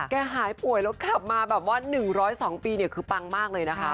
หายป่วยแล้วกลับมาแบบว่า๑๐๒ปีเนี่ยคือปังมากเลยนะคะ